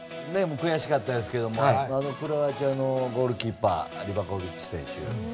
悔しかったですけどクロアチアのゴールキーパーリバコビッチ選手。